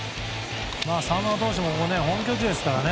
澤村投手も本拠地ですからね。